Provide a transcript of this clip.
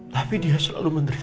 tapi dia selalu menderita